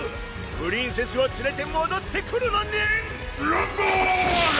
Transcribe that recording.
プリンセスをつれてもどってくるのねんランボーグ！